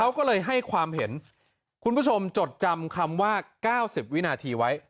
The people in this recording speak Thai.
ก็เลยให้ความเห็นคุณผู้ชมจดจำคำว่า๙๐วินาทีไว้